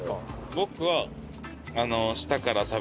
僕は。